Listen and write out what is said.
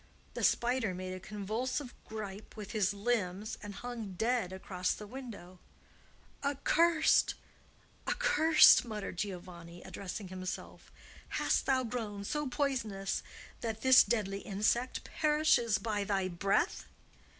The spider made a convulsive gripe with his limbs and hung dead across the window. "Accursed! accursed!" muttered Giovanni, addressing himself. "Hast thou grown so poisonous that this deadly insect perishes by thy breath?"